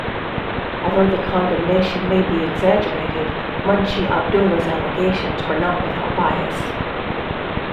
Although the condemnation may be exaggerated, Munshi Abdullah's allegations were not without basis.